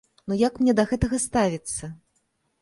Ну як мне да гэтага ставіцца?